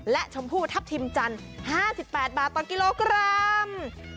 และชมพู่ทัพทิมจันทร์๕๘บาทต่อกิโลกรัม